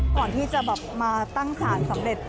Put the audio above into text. ก่อนที่จะแบบมาตั้งสารสำเร็จ